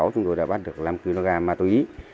chúng tôi đã bắt được năm kg ma túy